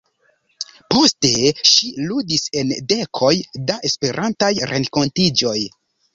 Poste ŝi ludis en dekoj da Esperantaj renkontiĝoj.